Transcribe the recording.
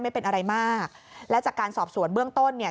ไม่เป็นอะไรมากและจากการสอบสวนเบื้องต้นเนี่ย